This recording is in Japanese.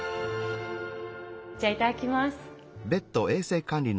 じゃあいただきます。